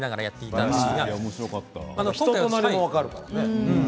人となりも分かるからね。